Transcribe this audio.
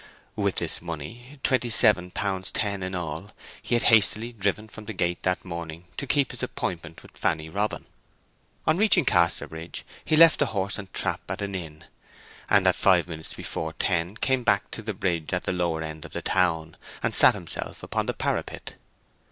With this money, twenty seven pounds ten in all, he had hastily driven from the gate that morning to keep his appointment with Fanny Robin. On reaching Casterbridge he left the horse and trap at an inn, and at five minutes before ten came back to the bridge at the lower end of the town, and sat himself upon the parapet.